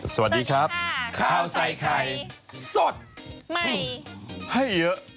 สวัสดีครับข้าวใส่ไข่สดใหม่ให้เยอะ